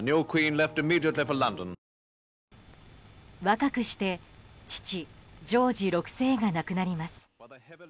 若くして父ジョージ６世が亡くなります。